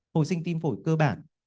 hồi sinh tim phổi cơ bản